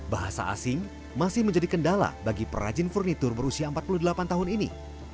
bahasa asing masih menjadi kendala bagi perajin furnitur berusia empat puluh delapan tahun ini